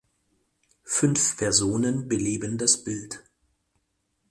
Fünf Personen beleben das Bild.